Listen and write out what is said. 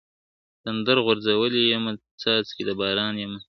تندر غورځولی یمه څاڅکی د باران یمه ,